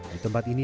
di tempat ini